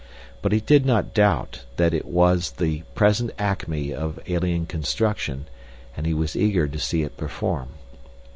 But he did not doubt that it was the present acme of alien construction, and he was eager to see it perform.